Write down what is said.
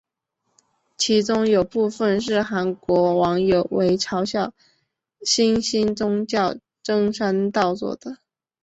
其中有部分是韩国网友为嘲笑新兴宗教甑山道做的。